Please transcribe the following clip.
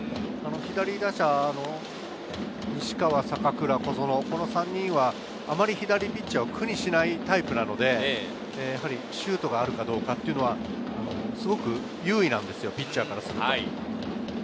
左打者の西川、坂倉、小園、この３人はあまり左ピッチャーを苦にしないタイプなので、シュートがあるかどうかはすごく優位なんですよ、ピッチャーからすると。